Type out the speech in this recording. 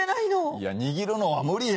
いや握るのは無理や。